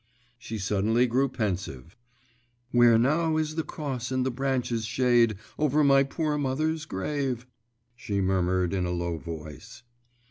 …' She suddenly grew pensive 'Where now is the cross and the branches' shade Over my poor mother's grave!' She murmured in a low voice.